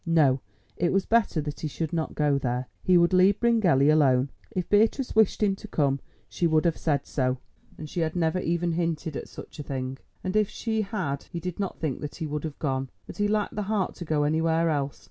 No, it was better that he should not go there. He would leave Bryngelly alone. If Beatrice wished him to come she would have said so, and she had never even hinted at such a thing, and if she had he did not think that he would have gone. But he lacked the heart to go anywhere else.